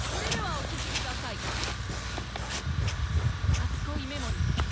「初恋メモリー」